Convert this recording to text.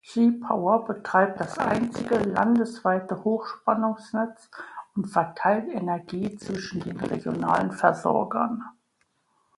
J-Power betreibt das einzige landesweite Hochspannungsnetz und verteilt Energie zwischen den regionalen Versorgern.